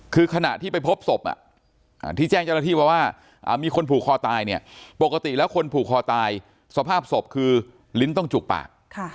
คือขณะที่ไปพบศพที่แจ้งเจ้าหน้าที่มาว่ามีคนผูกคอตายเนี่ยปกติแล้วคนผูกคอตายสภาพศพคือลิ้นต้องจุกปาก